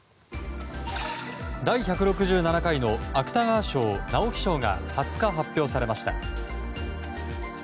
第１６７回の芥川賞・直木賞が２０日、発表されました。